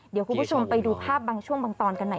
พี่ก็ชอบวงนองนะ